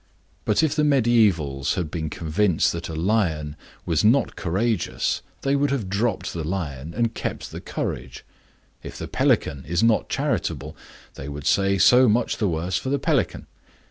But if the mediaevals had been convinced that a lion was not courageous, they would have dropped the lion and kept the courage; if the pelican is not charitable, they would say, so much the worse for the pelican.